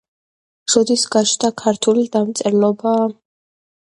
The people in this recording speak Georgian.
როდის გაჩნდა ქართული დამწერლობა?